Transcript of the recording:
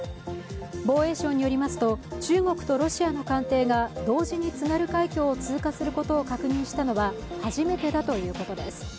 防衛省によりますと中国とロシアの艦艇が同時に津軽海峡を通過することを確認したのは初めてだということです。